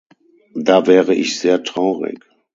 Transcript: Da wäre ich sehr traurig.